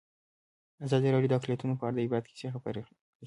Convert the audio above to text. ازادي راډیو د اقلیتونه په اړه د عبرت کیسې خبر کړي.